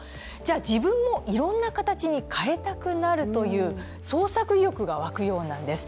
自分もいろんな形に変えたくなるというような創作意欲が湧くそうなんです。